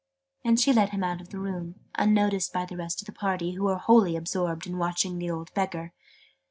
And she led him out of the room, unnoticed by the rest of the party, who were wholly absorbed in watching the old Beggar.